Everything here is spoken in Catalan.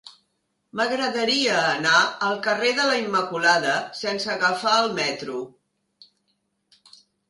M'agradaria anar al carrer de la Immaculada sense agafar el metro.